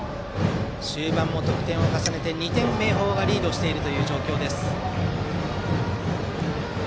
終盤も得点を重ねて２点、明豊がリードしています。